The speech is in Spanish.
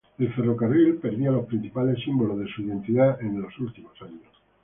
El ferrocarril perdía los principales símbolos de su identidad en sus últimos años.